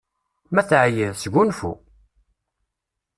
Ma teεyiḍ, sgunfu!